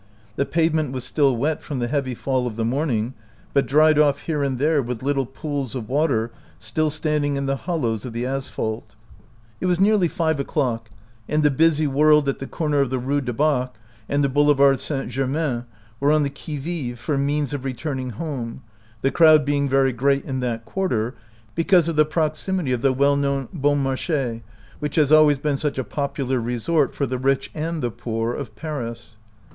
The pave ment was still wet from the heavy fall of the morning, but dried off here and there with little pools of water still standing in the hollows of the asphalt. It was nearly five 38 OUT OF BOHEMIA o'clock, and the busy world at the corner of the Rue du Bac and the Boulevard St. Ger main were on the qui vive for means of returning home, the crowd being very great in that quarter because of the proximity of the well known Bon March6, which has al ways been such a popular resort for the rich and the poor of Paris.